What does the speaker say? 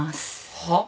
はっ？